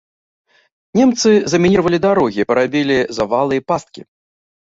Немцы замініравалі дарогі, парабілі завалы і пасткі.